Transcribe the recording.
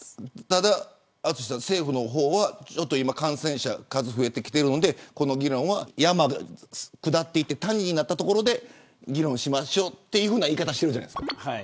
ただ淳さん、政府の方は感染者の数、増えてきているのでこの議論は山が下っていって谷になったところで議論しましょうという言い方しているじゃないですか。